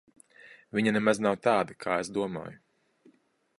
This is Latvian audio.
Viņa nemaz nav tāda, kā es domāju.